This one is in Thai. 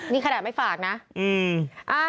นี่ขนาดไม่ฝากนะ